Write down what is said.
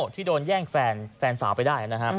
ที่โดนแหร่งแฟนสาวไปได้